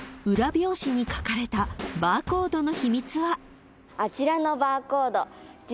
表紙に書かれたバーコードの秘密は］